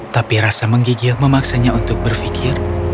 tapi rasa menggigil memaksanya untuk berpikir